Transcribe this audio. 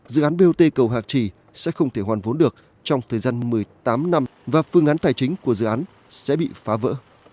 dự án bot cầu hạc trì sẽ không thể hoàn vốn được trong thời gian một mươi tám năm và phương án tài chính của dự án sẽ bị phá vỡ